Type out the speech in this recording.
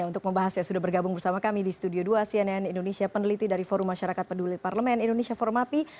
ya untuk membahas ya sudah bergabung bersama kami di studio dua cnn indonesia peneliti dari forum masyarakat peduli parlemen indonesia forum api